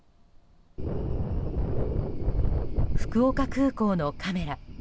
福岡空港のカメラ。